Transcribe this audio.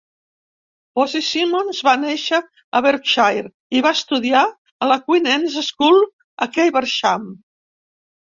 Posy Simmonds va néixer a Berkshire i va estudiar a la Queen Anne's School, a Caversham.